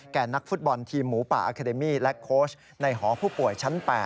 นักฟุตบอลทีมหมูป่าอาคาเดมี่และโค้ชในหอผู้ป่วยชั้น๘